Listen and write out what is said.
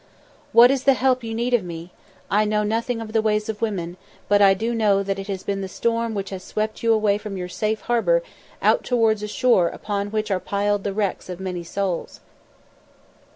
"What is the help you need of me? I know nothing of the ways of women, but I do know that it has been the storm which has swept you from your safe harbour out towards a shore upon which are piled the wrecks of many souls."